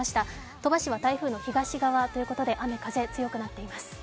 鳥羽市は台風の東側ということで雨風が強くなっています。